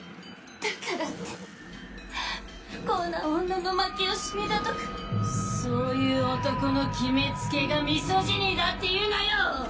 だからって不幸な女の負け惜しみだとかそういう男の決めつけがミソジニーだっていうのよ！